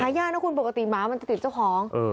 ยากนะคุณปกติหมามันจะติดเจ้าของ